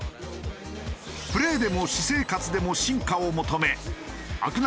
プレーでも私生活でも進化を求め飽く